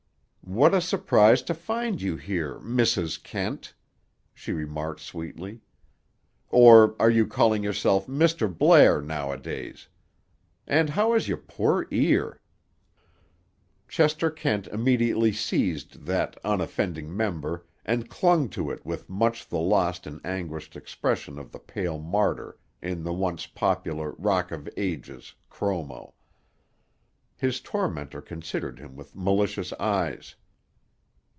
"What a surprise to find you here, Mrs. Kent!" she remarked sweetly. "Or are you calling youself Mr. Blair nowadays? And how is your poor ear?" Chester Kent immediately seized that unoffending member and clung to it with much the lost and anguished expression of the pale martyr in the once popular Rock of Ages chromo. His tormentor considered him with malicious eyes.